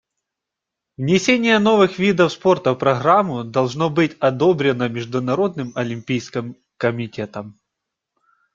Внесение новых видов спорта в программу должно быть одобрено Международным олимпийским комитетом.